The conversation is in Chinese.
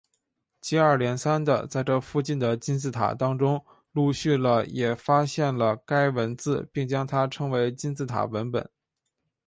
接二连三的在这附近的金字塔当中陆续了也发现了该文字并将它称为金字塔文本。